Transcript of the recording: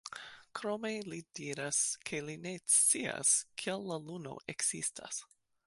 Krome li diras, ke li ne scias, kial la luno ekzistas.